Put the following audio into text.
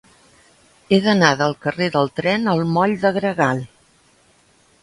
He d'anar del carrer del Tren al moll de Gregal.